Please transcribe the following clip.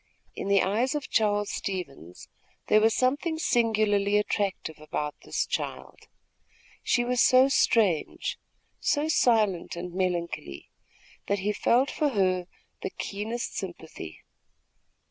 In the eyes of Charles Stevens, there was something singularly attractive about this child. She was so strange, so silent and melancholy, that he felt for her the keenest sympathy.